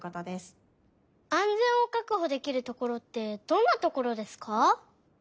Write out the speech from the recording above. あんぜんをかくほできるところってどんなところですか？